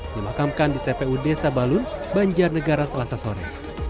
dimakamkan di tpu desa balun banjar negara selasa sore